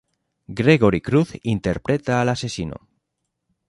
Gregory Cruz interpreta al asesino.